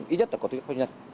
ít nhất là công ty có uy tín